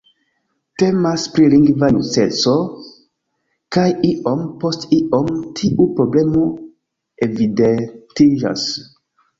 Temas pri lingva justeco kaj iom post iom tiu problemo evidentiĝas.